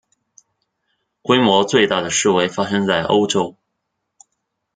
规模最大的示威发生在欧洲。